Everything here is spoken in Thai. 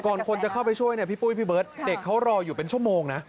คนจะเข้าไปช่วยเนี่ยพี่ปุ้ยพี่เบิร์ตเด็กเขารออยู่เป็นชั่วโมงนะ